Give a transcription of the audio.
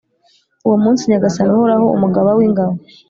Uwo munsi, Nyagasani Uhoraho, Umugaba w’ingabo,